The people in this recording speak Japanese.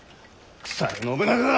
腐れ信長が！